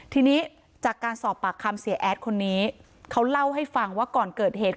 ทีนี้จากการสอบปากคำเสียแอดคนนี้เขาเล่าให้ฟังว่าก่อนเกิดเหตุ